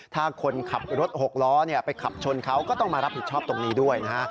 ถ้าคนขับรถหกล้อไปขับชนเขาก็ต้องมารับผิดชอบตรงนี้ด้วยนะฮะ